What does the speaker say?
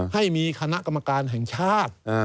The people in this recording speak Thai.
ให้มีคณะกรรมการแห่งชาติ